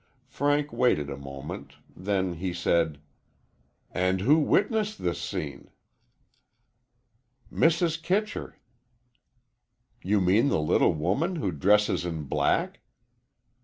Frank waited a moment, then he said: "And who witnessed this scene?" "Mrs. Kitcher." "You mean the little woman who dresses in black?"